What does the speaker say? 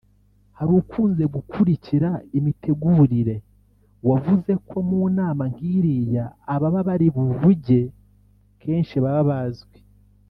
Hari ukunze gukurikira imitegurire wavuze ko mu nama nk’iriya ababa bari buvuge kenshi baba bazwi